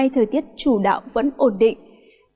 thời tiết chủ đạo vẫn ổn định